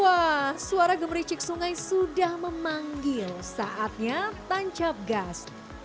wah suara gemericik sungai sudah memanggil saatnya tancap gas